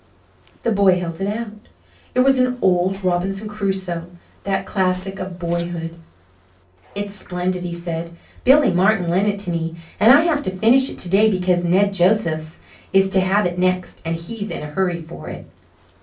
The boy held it out; it was an old Robinson Crusoe, that classic of boyhood. "It's splendid," he said. "Billy Martin lent it to me and I have to finish it today because Ned Josephs is to have it next and he's in a hurry for it."